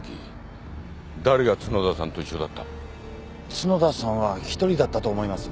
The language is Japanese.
角田さんは１人だったと思います。